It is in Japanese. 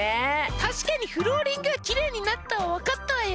確かにフローリングはきれいになったわ分かったわよ